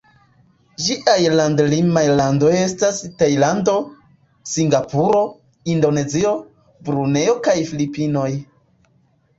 Ĝiaj land-limaj landoj estas Tajlando, Singapuro, Indonezio, Brunejo kaj Filipinoj.